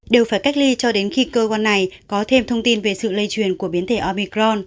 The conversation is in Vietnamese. đều phải cách ly cho đến khi cơ quan này có thêm thông tin về sự lây truyền của biến thể obicron